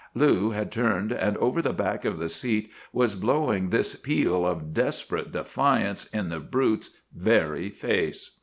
Lou had turned, and over the back of the seat was blowing this peal of desperate defiance in the brute's very face.